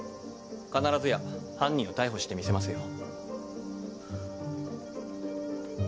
必ずや犯人を逮捕してみせますよ。